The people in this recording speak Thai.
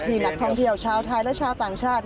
นักท่องเที่ยวชาวไทยและชาวต่างชาติ